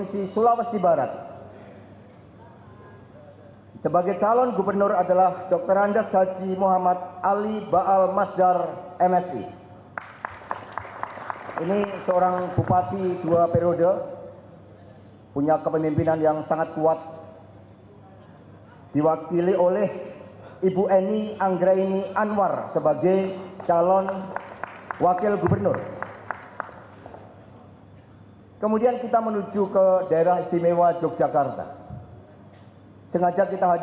sebagai talon gubernur adalah dr dr irwandi yusuf msc